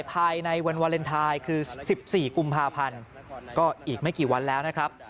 ภายในวันวาเลนไทยคือ๑๔กุมภาพันธ์ก็อีกไม่กี่วันแล้วนะครับ